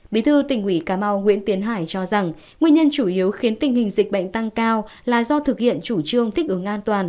bí thư tỉnh ủy cà mau nguyễn tiến hải cho rằng nguyên nhân chủ yếu khiến tình hình dịch bệnh tăng cao là do thực hiện chủ trương thích ứng an toàn